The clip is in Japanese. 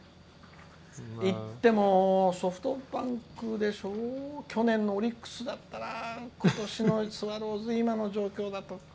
いっても、ソフトバンクでしょ去年のオリックスだったら今年のスワローズ今の状況だと。